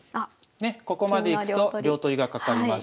ねっここまでいくと両取りがかかります。